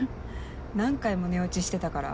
何回も寝落ちしてたから。